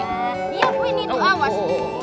iya bu ini tuh awas